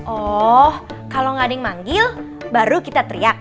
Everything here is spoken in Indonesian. oh kalau nggak ada yang manggil baru kita teriak